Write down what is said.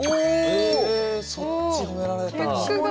ええそっち褒められた。